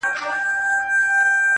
o قانون هم کمزوری ښکاري دلته,